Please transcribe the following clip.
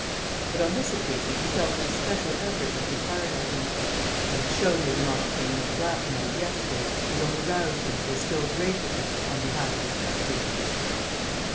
But on this occasion he felt that a special effort was required of him. He would show Lady Marchpane that the blackmail of yesterday had only roused him to a still greater effort on behalf of his country.